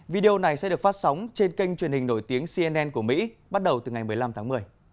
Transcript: video này sẽ được phát sóng trên kênh truyền hình nổi tiếng cnn của mỹ bắt đầu từ ngày một mươi năm tháng một mươi